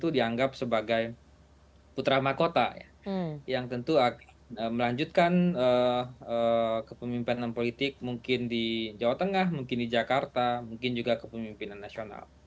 dan selanjutnya ke pemimpinan politik mungkin di jawa tengah mungkin di jakarta mungkin juga ke pemimpinan nasional